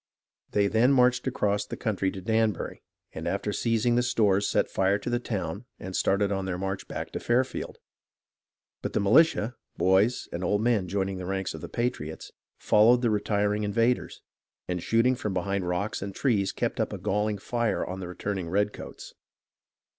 They then marched across the country to Danbury, and after seizing the stores set fire to the town and started on their march back to Fairfield. But the militia, boys, and old men, join ing the ranks of the patriots, followed the retiring invaders, and shooting from behind rocks and trees kept up a galling fire on the returning redcoats.